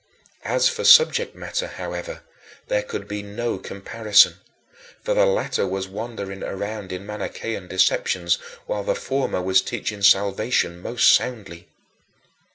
As for subject matter, however, there could be no comparison, for the latter was wandering around in Manichean deceptions, while the former was teaching salvation most soundly.